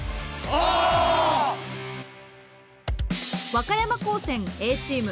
和歌山高専Ａチーム